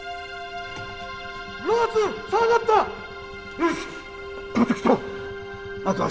よし！